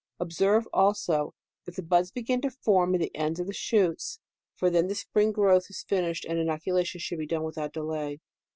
Observe also, if the buds begin to form at the ends of the shoots ; for then the spring growth is finished, and inoculation should be done without delav.